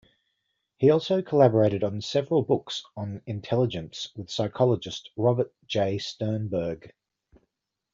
He also collaborated on several books on intelligence with psychologist Robert J. Sternberg.